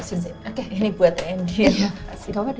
oke ini buat andi